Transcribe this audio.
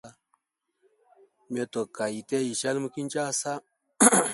Myotoka ite ishali mu Kinshasa.